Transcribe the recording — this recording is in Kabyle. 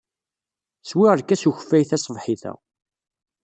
Swiɣ lkas n ukeffay taṣebḥit-a.